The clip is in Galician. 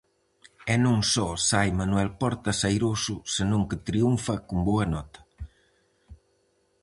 E non só sae Manuel Portas airoso senón que triunfa con boa nota.